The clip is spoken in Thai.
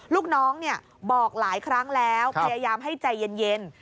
ลูกน้องบอกหลายครั้งแล้วพยายามให้ใจเย็น